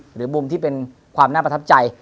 หรือมุมที่เป็นความน่าประทับใจ